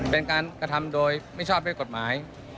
เป็นการกระทำโดยไม่ชอบด้วยกฎหมาย